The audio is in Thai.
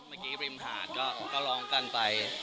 เมื่อกี๊ริมหาดก็ล้องกันไป